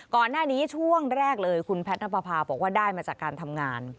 ก่อนหน้านี้ช่วงแรกเลยคุณแพทย์นับประพาบอกว่าได้มาจากการทำงาน